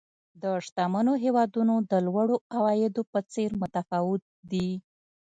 د شتمنو هېوادونو د لوړو عوایدو په څېر متفاوت دي.